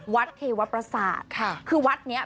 วัดเควะประสาทคือวัดเนี่ย